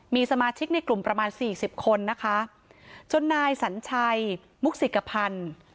มีสมาชิกในกลุ่มประมาณสี่สิบคนนะคะจนนายสัญชัยมุกศิกภัณฑ์